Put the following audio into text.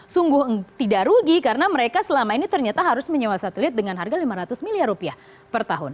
sungguh tidak rugi karena mereka selama ini ternyata harus menyewa satelit dengan harga lima ratus miliar rupiah per tahun